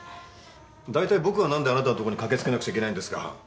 だいたい僕が何であなたのとこに駆け付けなくちゃいけないんですか？